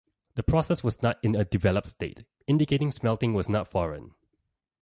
The process was not in a developed state, indicating smelting was not foreign.